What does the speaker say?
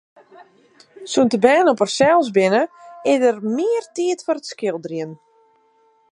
Sûnt de bern op harsels binne, is der mear tiid foar it skilderjen.